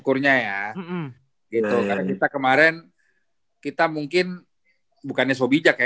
karena kita kemarin kita mungkin bukannya so bijak ya